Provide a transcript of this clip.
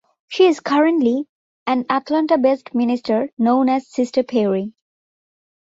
She is currently an Atlanta-based minister, known as "Sister Perri".